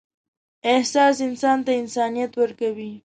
احساس انسان ته انسانیت ورکوي.